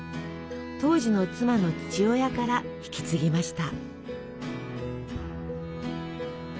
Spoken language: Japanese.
当時の妻の父親から引き継ぎました。